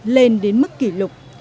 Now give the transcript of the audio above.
lên đến mức kỷ lục